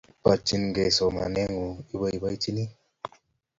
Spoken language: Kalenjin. Porchikey somaneng'ung' ,ipoipoityechini